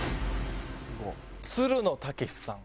つるの剛士さん。